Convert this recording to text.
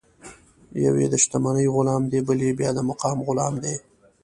یو یې د شتمنۍ غلام دی، بل بیا د مقام غلام دی.